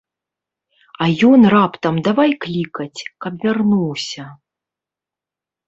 А ён раптам давай клікаць, каб вярнуўся.